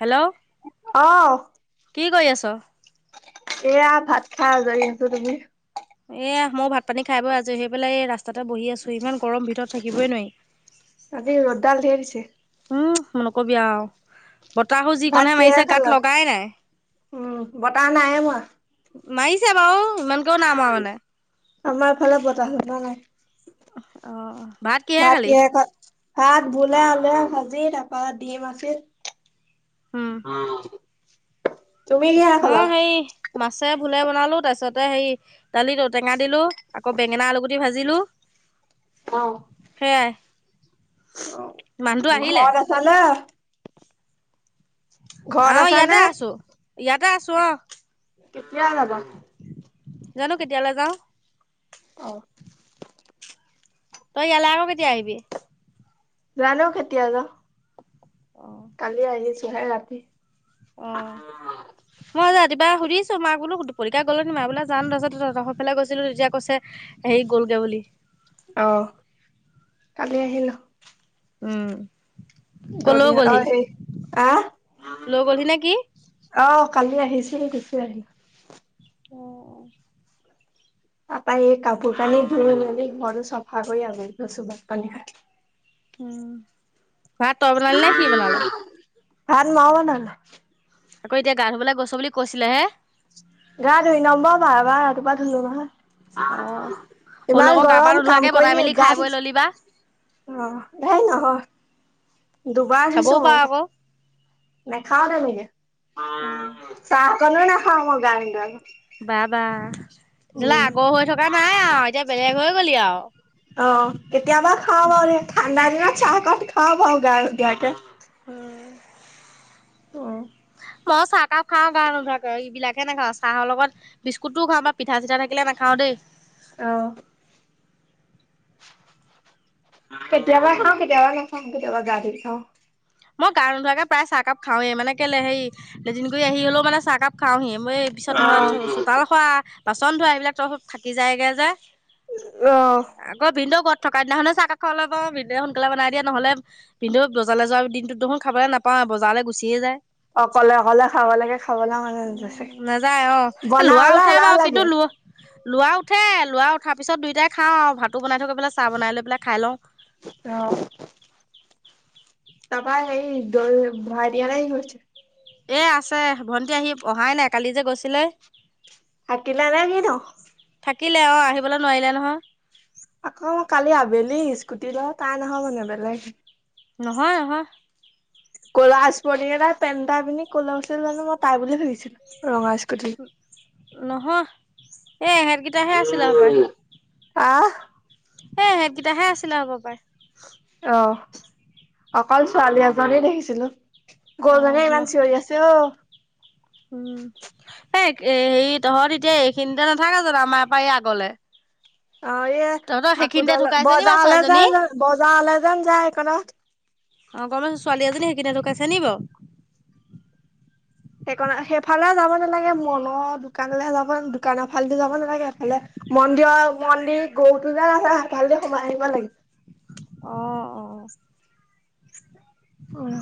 Hello অ', কি কৰি আছ এয়া ভাত খাই আজৰি আছো তুমি। এ মই ভাত পানী খাই বৈ আজৰি হয় পেলায় সেই পেলাই এই ৰাস্তাতে বহি আছো ইমান গৰম ভিতৰত থাকিবই নোৱাৰি আজি ৰ'দ লাল ধেই দিছে। উম, ম নকবি আও। বতাহু ভাত যিকণহে মাৰিছে কিহেৰে গাত খালা? লগাই নাই উম, বতাহ নাই মৰা। মাৰিছো বাৰু ইমানকেও নাম আৰু মানে। আমাৰফালে বতাহ অহা ন নাই আহ ভাত কিহে খালি। কিহেৰে খা ভাত ভোলে আলুৱে ভাজি তাৰপা ডিম আছিল। উম অহ মই হেই মাছে ভোলে বনালো তাৰ পিছত ত হেৰি দালিত ঔটেঙা দিলো, আকৌ বেঙেনা আলুগুটি ভাজিলো। অ', সেয়াই মানুহটো আহিলে। ঘৰত আছা নে? ঘৰত আহ আছা ইয়াতে নে? আছো ইয়াতে আছো আহ কেতিয়া যাবা? জানো কেতিয়ালৈ যাওঁ অ তই ইয়ালে আকৌ কেতিয়া আহিবি। নাজানো কেতিয়া যাওঁ। অ কালি আহিছোহে ৰাতিত। অ মই যে ৰাতি পুৱা কিবা সুধিছো মাক বোলো [unintelligible] গ'লে নে মা বোলোন তাছতৰ ফালে গৈছিলো তেতিয়া কৈছে হে গলগৈ [unintelligible] তলি আহ কালি আহিলো। উম। দলিহ অ সেই হ লৈ গ'লহি নে কি আহ। কালি আহিছে গোচি আহিলি অ' তাৰপৰা এই কাপোৰ কানি ধই মেলি ঘৰ চফা কৰি আজৰি হৈ চো ভাত পানী খাই। উম, ভাত তই বনালি নে সি বনালে। ভাত মই বনালো। আকৌ এতিয়া গা ধুবলৈ গৈছ বুলি কৈছিলে হে। গা ধুই নম ব ভ বা ৰাতিপুৱা ধুললো অ নহয়। মোৰ ইমান লগৰ গা পা গৰম কাম নোধোৱাকে বনাই কৰি মেলি গা খাই বৈ ললি বা অ' এই নহয় অ' দুবাৰ খাবও দিছো পাৰ মোক আকৌ নেখাওতে মকে চাহ [unintelligible] অকননো নাখাওঁ মই গা নধুৱাকে। বা বা তেতিয়াহ'লে আগৰ হৈ থকা নাই আৰু এতিয়া বেলেগ হৈ গলি আৰু অ কেতিয়াবা খাওঁ পাৰ ঠাণ্ডা দিনত চাহকাপ খাওঁ বা গা নুধৱা কৰে। উম, মই চাহ কাক খাওঁ, গা নোধৰা এইবাকে নাখাওঁ, চাহৰ লগত বিস্কুতটোও খাওঁ বা পিঠা চিঠা থাকিলে নাখাওঁ। ম [unintelligible] আহ কেতিয়াবা খাওঁ কেতিয়াবা নাখাওঁ কেতিয়াবা গা ধুই খাওঁ। মই গা নোধোৱাকে প্ৰায় চাহকাপ খাওে মানে কেলে হে এদিনগুৰি আহি হ'লেও মানে চাহকাপ খাওহিয়ে। মই এই পিছত নহয় চোতাল সৰা বাচন ধোৱা এইবিলাক তো থাকি যায়গে যে। আহ আকৌ ভিনদেউ ঘৰত থকা দিনা নয়, চাহ কাষৰলে পইণ্টটো বিন্ধুৱে সোনকালে বনাই দিয়, নহলে বিন্দু গজালে যোৱাৰ দিন দেখোন, খাবলৈ নাপাওঁ, বজাৰলৈ গুচিয়ে যায় অকলে অকলে খাব লাগে খাবলৈ মন উ, গৈছে নাযায় অ', লোৱা বনাবলে উঠে এলাহ বাৰু, কিন্তু লাগে লোৱা লোৱা উঠে, লোৱা উঠাৰ পিছত দুইটাই খাওঁ ভাতো বনাই থকা প, চাহ বনাই লৈ পেলাই, খাই লওঁ থাপা হেৰি এইটো দ ভাইৰিয়েল নে গৈ হৈছে এ, আছে ভণ্টি আহি অহাই নাই কালি যে গৈছিলে হাটিলা লাগে ন [unintelligible] থাকিলে, অ', আহিবলৈ নোৱাৰিলে নহয় আকৌ মই কালি আবেলি স্কুটীৰ লগত তাই নহয়, মানে বেলেগ নহয়, নহয় ক'লা চাৰ্টে, তাৰ পেণ্টটো পিন্ধি, কলেইছ জানো, মই পাই বুলি ভাবিছিলোঁ ৰঙা স্কুটী এই, এহেতকেইটাহে আছিল, আৰু পায় আহ এহেকেইটাহে আছিলে, হ'ব পাৰে অ', অকল ছোৱালী এজনীকেই দেখিছিলোঁ অ ক'ৰ মানুহে ন ইমান চিঞৰি আছে, অ', উম', এ, হেৰি, তহঁত এতিয়া এইখিনিতে নাথাকে জানো আমাৰ পৰা এই আগলৈ অ', এ, ফাকুৱাডাল ঢুকাইছে নি বাৰু বজাৰলৈ ছোৱালীজনী যায় যে, বজাৰলৈ যেন যায়, এইকণতে অ', সেই ছোৱালীজনীয়ে সেইখিনি লুকাইছে নি বাৰু সেইকাৰণে, সেইফালে যাব নালাগে, মনৰ দোকানলৈ যাব, দোকানৰ ফালেও যাব নালাগে, সেইফালে মন্দিৰৰ, মন্দিৰৰ গৰুটো য'ত আছে, ভালে সোমাই আহিব লাগিব। অঁ', অ'। অ',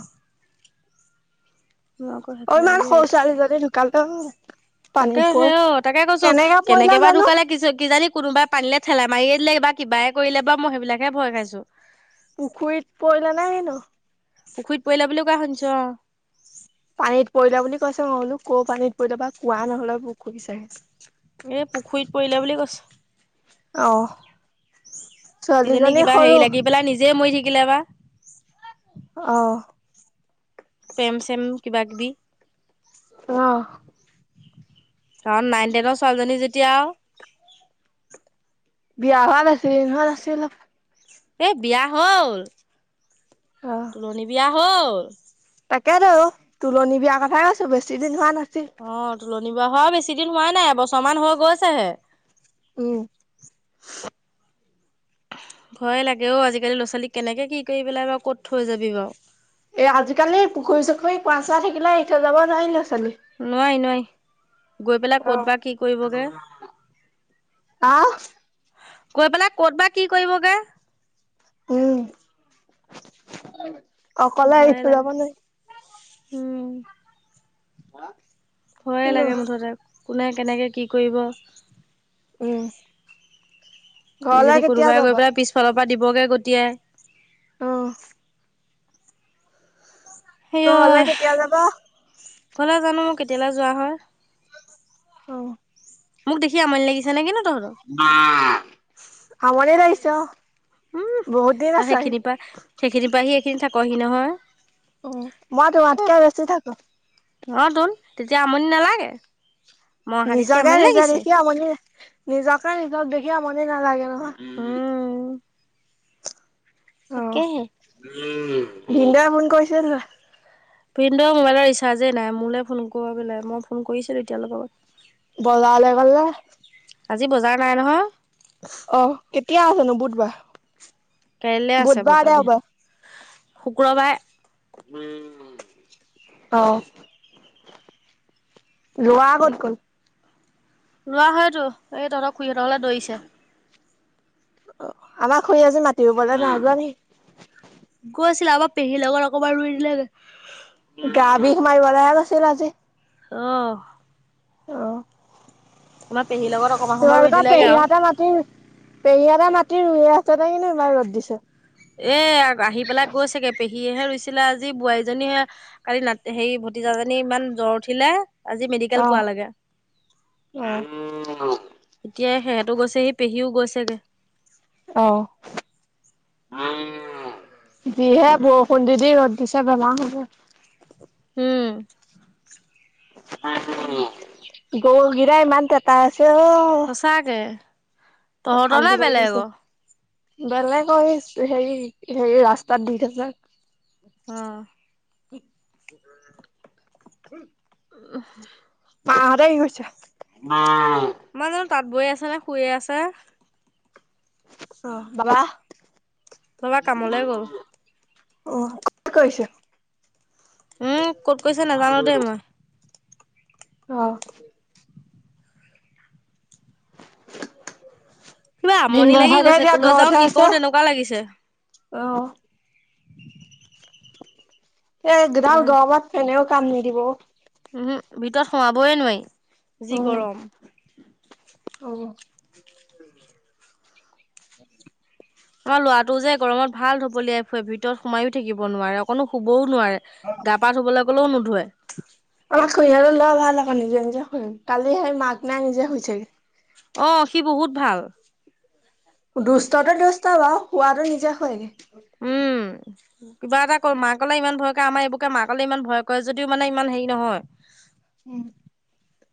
মই আকৌ অ, সেইফালে ইমান বুলি সৰু ভাবিছো ছোৱালীজনী ঢুকালে। তাকে পানীত হে, পৰি অ, তাকে কৈছো, পৰিলে কেনেকে বা জানো ঢুকালে? কি কিজানি, কোনোবাই পানীলৈ ঠেলাই মাৰিয়ে দিলে বা কিবা কৰিলে বাৰু, মই সেইবিলাকহে ভয় খাইছোঁ। পুখুৰীত পৰিলা নাই কিনো? [unintelligible] ককাাাহঞ্চ পানীত পৰিলা বুলি কৈছে, মইবোলোঁ, পানীত পৰিল নেকি? কোৱা নহলে এ, পুখুৰীত পৰিলে বুলি কৈছে। অ', সজনী ছোৱালীজনী কিবা হেৰি সৰু লাগি পেলাই, নিজে মৰি থাকিলে বা? অহ, প্ৰেম-চেম, কিবা কিবি। অহ, অ, নাইন-টেনৰ ছোৱালীজনী যেতিয়া। বিয়া হোৱা নাছিল, দ হোৱা আছিল অলপ। [unintelligible] বিয়া হল, অ তোলনী বিয়া হল। তাকেতো তুলনীৰ বিয়াৰ কথাই কৈছোঁ, বেছি দিন হোৱা নাই। অ, তুলনীৰ বিয়া বেছি দিন হোৱা নাই এবছৰমান হৈ গৈছে। উম', [unintelligible] ভয় লাহে ও আজি কালি লৰা ছোৱালীক কেনেকৈ কি কৰি পেলাই বাৰু কত থৈ যাব বাৰু। এ, আজিকালি পুখুৰী-চুখুৰী কোৱা-চোৱা থাকিলে এতিয়া যাব নোৱাৰি। নোৱাৰি নোৱাৰি গৈ পেলাই ক'ত বা কি কৰিবগে অহ, আহ, গৈ পেলাই কত বা কি কৰিবগে। উম', অ, কলে ভয়ে আহিছো, লাগে যাব নাই। উম হা ভয়ে লাগে মুঠতে কোনে কেনেকে কি কৰিব [unintelligible] ঘৰলে যদি কেতিয়া কোনোবাই গৈ যাবা? পেলাই পিছফালৰ পৰা দিবগে গটিয়াই অ হেয় ঘৰলে ঐ কেতিয়া যাবা? ঘৰলে জানো কেতিয়ালৈ যোৱা হয় অ মোক দেখি আমনি লাগিছে নে কি নো আমনি লাগিছে অ উম বহুত দিন ত আছাহি। সেইখিনিৰ পৰা সেইখিনিৰ পৰা আহি এইখিনিত থাকহি নহয় উ মই তোমাতকে উহ বেচি থাকো অ তোন তেতিয়া আমনি নালাগে মই অহা দেখি নিজকে আমনি নিজে লাগিছে দেখি আমনি নিজকে নিজক দেখি আমনি নালাগে ন [unintelligible] উম তাকেহে ভিনদৌ' এ ফোন কৰিছে তোলে ভিনদৌৰ মোবাইলৰ ৰিচাৰ্জেই নাই মোলে ফোন কৰো বোলে মই ফোন কৰিছিলো এতিয়া অলপ আগত বজাৰলে গ'ল নে আজি বজাৰ নাই নহয় অ কেতিয়া আছেনো বুধবাৰ? কাইলৈ আছে বজাৰ বুধবাৰলে হব শুক্ৰবাৰে অ। ল'ৰা কত গল? লৰা সৈতো এই তহঁতৰ খুড়ী হতঁৰ ঘৰলে দৌৰিছে। অ আমাৰ খুৰী আজি মাতি ৰোবলে নাই যোৱা নেকি? গৈ আছিল আমাৰ পেহীৰ লগত অকমান ৰোই দিলেগে। গা বিষ মাৰিবলৈহে গৈছিল আজি। অ। অ। আমাৰ পেহীৰ লগত অকণমান সময় ৰুই তোমালোকৰ দিলেগে আৰু পেহীহঁতৰ মাটি পেহীহঁতৰ মাটি ৰোই‌ আছে নে কিনো ইমান ৰ'দ দিছে। এ আহি পেলাই গৈ চাগে পেহীয়েহে ৰুইছিলে আজি বোৱাৰীজনীহে কালি নাট সেই ভতিজাজনী ইমান জ্বৰ উঠিলে আজি মেডিকেল অ পোৱালেগে। অ এতিয়া সিহঁতো গৈছেহি পেহীও গৈছেগে। অ। যিহে বৰষুণ দি দি ৰ'দ দিছে বেমাৰ হ'ব। উম। গৰু গিতাই ইমান তেতাই আছে অ। সঁচাকে। তহঁতৰ নে অশান্তি লাগি গৈছে। বেলেগৰ বেলেগৰ হেৰি হেৰি ৰাস্তাত দি থৈছে। হম। উম। উ [inaudible] মাহতে কি কৰিছে? মাই জানো তাঁত বৈ আছে নে শুইয়ে আছে। অ বাবা? বাবা কামলৈ গ'ল। অ কত গৈছে? উম ক'ত কৰিছে নাজানো দেই মই। অ। কিবা আমনি ভিনদেউ লাগি চাগে গৈছে, এতিয়া কলৈ যাও ঘৰতহে কি আছে কৰো তেনেকুৱা লাগিছে। অ'। এ একডাল গৰমত ফেনেও কাম নিদিব অ'। উম, ভিতৰত সোমাবই নোৱাৰি যি উম। গৰম। [unintelligible] আমাৰ লৰাটো যে গৰমত ভাল ধপলিয়াই ফুৰে, ভিতৰত সোমাইয়ো থাকিব নোৱাৰে অকনো শুবও নোৱাৰে, গা পা ধুবলৈ কলেও নোধোৱে। আমাক খুইহতৰ ল'ৰা ভাল আকৌ নিজে নিজে শুৱে, কালি সেই মাক নাই নিজে শুইচেগে। অ', সি বহুত ভাল। দুষ্টটো দুষ্ট বাৰু শুৱাতো নিজে শুৱেগে। উম। উম, কিবা এটা ক মাকলে ইমান ভয় কৰে আমাৰ এইবোৰকে মাকলে ইমান ভয় কৰে যদিও মানে ইমান হেৰি নহয়। উম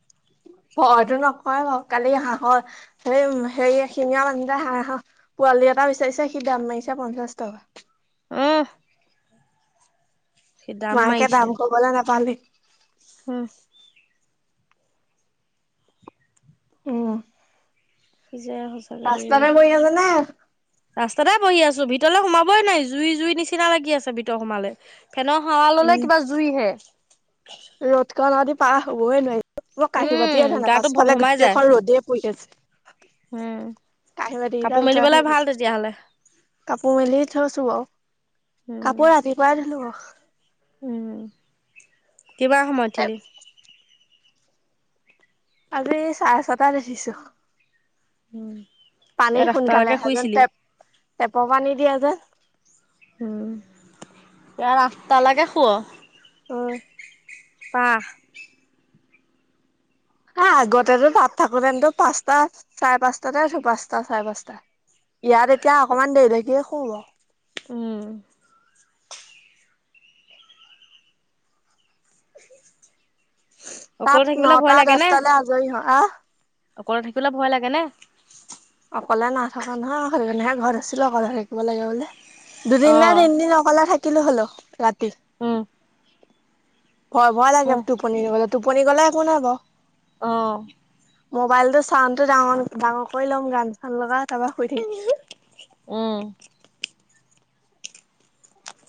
[inaudible] ভয়টো নকৰে বাৰু, কালি হাঁহৰ হে হেৰি এশিঙীয়া [unintelligible] হাঁহ পোৱালি এটা বিচাৰিছে সি দাম মাৰিছে পঞ্চাশ টকা। [unintelligible] সি মাকে মাৰিছে দাম কবলে নাপালেই। উম। উম। কিযে সঁচাকে ৰাস্তাতে পৰি আছে নে [unintelligible] ৰাস্তাতে বহি আছো ভিতৰলৈ সোমাবই নোৱাৰি জুই জুই নিচিনা লাগি আছে ভিতৰত সোমালে। ফেনৰ হাৱা ল'লে কিবা জুই হে। ৰ'দ ক'নদি পাৰ হ'বই নোৱাৰি। মই কাঁহী বাতিয়ে উম ধোৱা নাই গাটো ভম পাছফালে ভমাই যায় গোটেইখন ৰ'দে পৰি আছে। উম। কাঁহী বাটি বিলাক কাপোৰ উঠোৱাই মেলিবলে থৈ ভাল দিছে তেতিয়াহ'লে কাপোৰ মেলি থৈছো বাও উম কাপোৰ ৰাতিপুৱাই ধুলো ব উম কিমান সময়ত বাৰু উঠিলি? আজি চাৰে ছটাত উঠিছো। [inaudible] পানী ইয়াত সোনকালে আঠটালৈকে আহে যেন শুইছিলি। টেপ টেপৰ পানী দিয়া যেন উম এই আঠটালৈকে শুৱ উম আহ হা [inaudible] আগতেতো তাত থাকোতেন্তো পাঁচটা চাৰে পাঁচটাতে উঠো পাঁচটা চাৰে পাঁচটা ইয়াত এতিয়া অকমান দেৰিকে শুৱ ৰহ উম অকলে তাত থাকিবলৈ ভয় নটা লাগে নে? দচটালৈ আজৰি নহ অ' অকলে থাকিবলে ভয় লাগে নে অকলে নাথকা নহয় সেইকাৰণেহে ঘৰত আছিলো অকলে থাকিব লাগে বুলি। দুদিন নে অ', তিনদিন অকলে থাকিলো হলো ৰাতি। ভয় ভয় লাগে মোৰ টোপনি নগলে টোপনি গলে একো নাই বাৰু অ', মোবাইলতো চাউনডটো ডাঙৰ ডাঙৰকৈ ল'ম গান চান লগাই তাৰপৰা শুই থাকিম উম।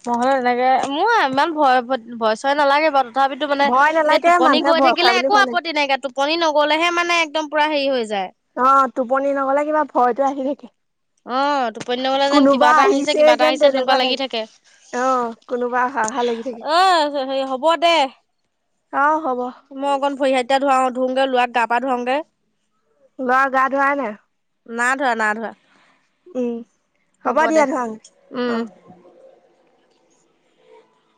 নহ'লে মোৰ ইমান ভয় ভয় চয় নালাগে বাৰু তথাপিতো মানে ভয় এই নালাগে টোপনি মানুহে গৈ ভয় কৰা থাকিলে বুলি একো ভয় আপত্তি নাইকিয়া টোপনি নগলেহে মানে একদম পুৰা হেৰি হৈ যায় অ', টোপনি নগলে কিবা ভয়তো আহি থাকে। অ', টোপনি নগলে যেন কিবা কোনোবা এটা আহিছে, কিবা এটা যেন আহিছে তেনেকুৱা লাগি লাগে। থাকে। অ' কোনোবা অহা অহা লাগি থাকে। আহ, হে হ'ব দে। অ' হ'ব মই অকন ভৰি হাতকেইটা ধুৱাও ধুওগে, ল'ৰাক গা পা ধুৱাওগে। ল'ৰাক গা ধোৱাই নাই। নাই ধোৱা, নাই ধোৱা উম, হ'ব দে, দিয়া ধোৱাগে অ'। উম,